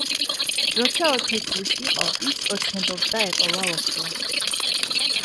როცა ოთხი წლის იყო, ის ოცნებობდა ეპოვა ოქრო.